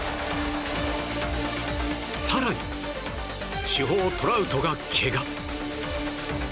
更に主砲トラウトが、けが。